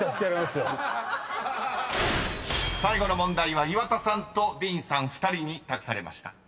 ［最後の問題は岩田さんとディーンさん２人に託されました］